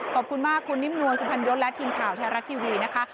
ขอบคุณมากคุณนิ่มนวลสุพรรณยศและทีมข่าวไทยรัฐทีวีนะคะ